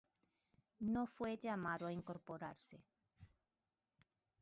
No fue llamado a incorporarse.